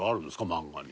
漫画に。